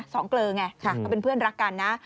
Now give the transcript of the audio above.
เกลอไงเขาเป็นเพื่อนรักกันนะ